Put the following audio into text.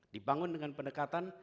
dibangun dengan pendekatan